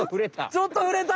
ちょっとふれた！